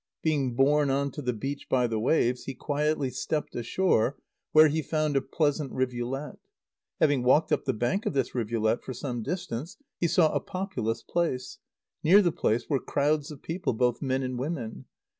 Being borne on to the beach by the waves, he quietly stepped ashore, where he found a pleasant rivulet. Having walked up the bank of this rivulet for some distance, he saw a populous place. Near the place were crowds of people, both men and women.